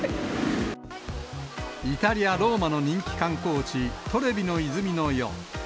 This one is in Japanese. イタリア・ローマの人気観光地、トレビの泉のよう。